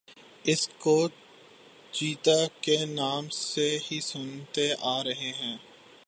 اس کو چیتا کے نام سے ہی سنتے آرہے ہیں